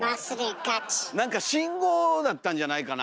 なんか信号だったんじゃないかな。